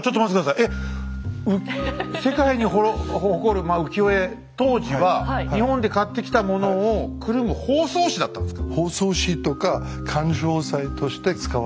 えっ世界に誇る浮世絵当時は日本で買ってきたものをくるむ包装紙だったんですか？